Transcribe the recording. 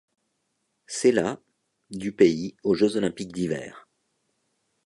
C'est la du pays aux Jeux olympiques d'hiver.